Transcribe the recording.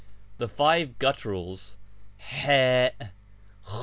The five gutturals, A, _.